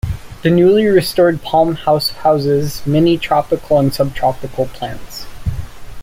The newly restored Palm House houses many tropical and subtropical plants.